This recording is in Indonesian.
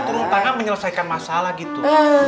turun tangan menyelesaikan masalah gitu